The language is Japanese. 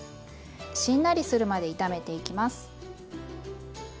しんなりするまで炒めていきます。